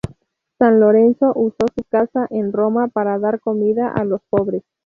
San Lorenzo usó su casa en Roma para dar comida a los pobres.